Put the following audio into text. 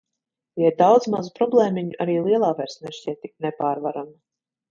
Ja ir daudz mazu problēmiņu, arī lielā vairs nešķiet tik nepārvarama.